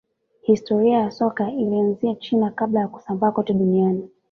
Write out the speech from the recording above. historia ya soka ilianzia china kabla ya kusambaa kote duniani